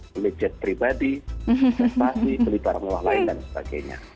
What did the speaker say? beri uang pribadi investasi beli barang luar lain dan sebagainya